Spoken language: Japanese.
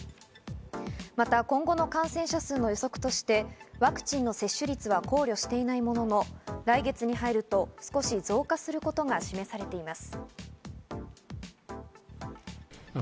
また今後の感染者数の予測として、ワクチンの接種率は考慮していないものの、来月に入ると少し増加することが示されています。